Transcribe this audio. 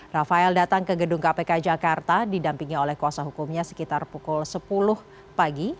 rafael datang ke gedung kpk jakarta didampingi oleh kuasa hukumnya sekitar pukul sepuluh pagi